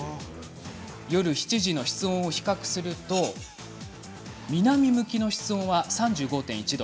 夜７時の室温を比較すると南向きの室温は３５．１度。